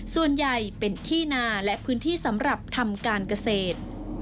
ส่วนใหญ่เป็นที่นาและพื้นที่สำหรับทำการเกษตร